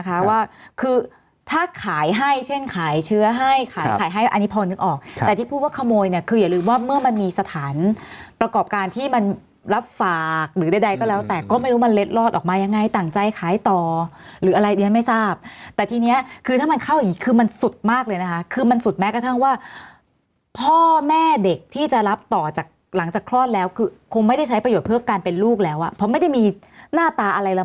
ถ้าขายให้เช่นขายเชื้อให้ขายให้อันนี้พอนึกออกแต่ที่พูดว่าขโมยเนี่ยคืออย่าลืมว่าเมื่อมันมีสถานประกอบการที่มันรับฝากหรือใดก็แล้วแต่ก็ไม่รู้มันเล็ดลอดออกมายังไงต่างใจขายต่อหรืออะไรเนี้ยไม่ทราบแต่ทีเนี้ยคือถ้ามันเข้าอย่างงี้คือมันสุดมากเลยนะคะคือมันสุดแม้กระทั่งว่าพ่อแม่เด